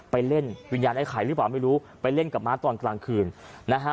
ไปเล่นวิญญาณไอ้ไข่หรือเปล่าไม่รู้ไปเล่นกับม้าตอนกลางคืนนะฮะ